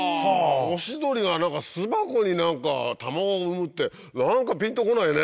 オシドリが巣箱に卵産むって何かピンと来ないね。